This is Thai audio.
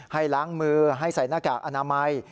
ให้ล้างมือให้ใส่หน้ากากอนามัย